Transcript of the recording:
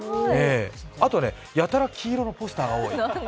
あとね、やたら黄色のポスターが多い。